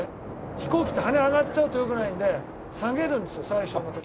飛行機って羽上がっちゃうとよくないんで下げるんですよ最初の時。